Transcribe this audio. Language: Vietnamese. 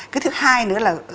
cái thứ hai nữa là